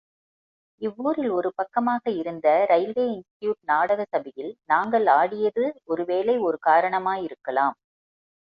இவ்வூரில் ஒரு பக்கமாக இருந்த ரெயில்வே இன்ஸ்டிட்யூட் நாடக சபையில் நாங்கள் ஆடியது ஒரு வேளை ஒரு காரணமாயிருக்கலாம்.